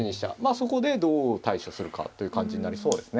そこでどう対処するかという感じになりそうですね。